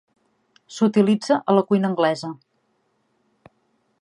S'utilitza a la cuina anglesa.